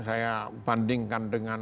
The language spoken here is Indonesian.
saya bandingkan dengan